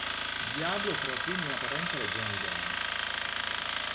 Diablo creò quindi una potente legione di demoni.